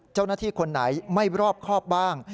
เจ้าหน้าที่คนไหนไม่รอบครอบบ้าง